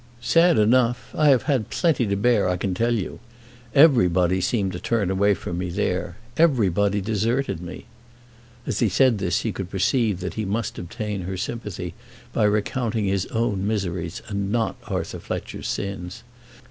"Sad enough! I have had plenty to bear, I can tell you. Everybody seemed to turn away from me there. Everybody deserted me." As he said this he could perceive that he must obtain her sympathy by recounting his own miseries and not Arthur Fletcher's sins.